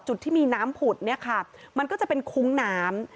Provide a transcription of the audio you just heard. จุดที่มีน้ำผุดเนี่ยค่ะมันก็จะเป็นคุ้งน้ำ